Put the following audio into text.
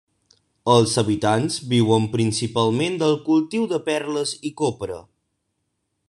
Els habitants viuen principalment del cultiu de perles i copra.